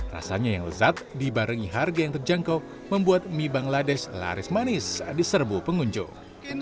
rasanya yang lezat dibarengi harga yang terjangkau membuat mie bangladesh laris manis di serbu pengunjung